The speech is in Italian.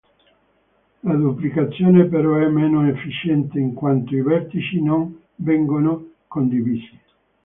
La duplicazione però è meno efficiente in quanto i vertici non vengono condivisi.